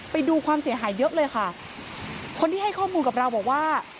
ไปดูความเสียหายเยอะเลยค่ะคนที่ให้ข้อมูลกับเราบอกว่า